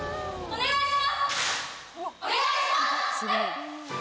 お願いします！